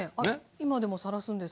今でもさらすんですけど。